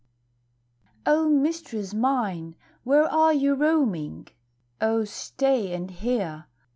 O Mistress mine, where are you roaming? O, stay and hear!